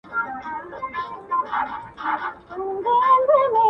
دا ستا و خولې ته خو هچيش غزل چابکه راځي